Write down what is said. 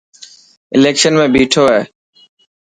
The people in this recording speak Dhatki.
اليڪشن ۾ بيٺو هي.